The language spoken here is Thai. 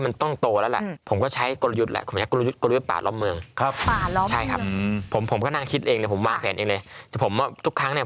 ทาวน์มาลาวท์ที่ติดต่อเราไปถึงไหนครับตัวม่างโมง